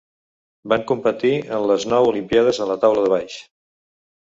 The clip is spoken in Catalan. Van competir en les nou Olimpíades en la taula de baix.